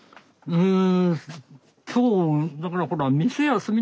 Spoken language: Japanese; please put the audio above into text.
うん。